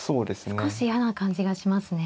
少し嫌な感じがしますね。